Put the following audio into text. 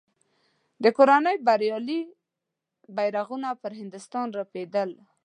د کورنۍ بریالي بیرغونه پر هندوستان رپېدل.